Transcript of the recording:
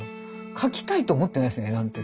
描きたいと思ってないです絵なんて。